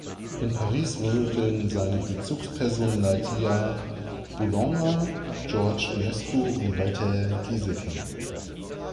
In Paris wurden seine Bezugspersonen Nadia Boulanger, George Enescu und Walter Gieseking.